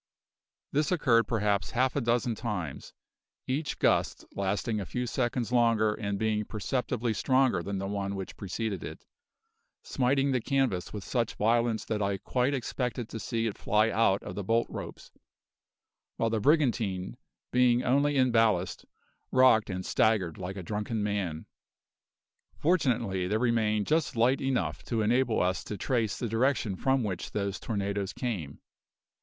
This occurred perhaps half a dozen times, each gust lasting a few seconds longer and being perceptibly stronger than the one which preceded it, smiting the canvas with such violence that I quite expected to see it fly out of the bolt ropes, while the brigantine, being only in ballast, rocked and staggered like a drunken man. Fortunately, there remained just light enough to enable us to trace the direction from which those tornadoes came.